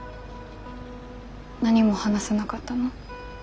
何も話さなかったの？